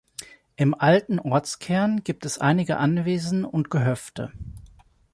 Im alten Ortskern gibt es einige Anwesen und Gehöfte.